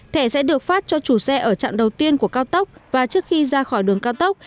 thẻ sẽ được phát cho chủ xe ở trạng đầu tiên của cao tốc và trước khi ra khỏi đường cao tốc